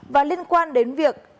và liên quan đến việc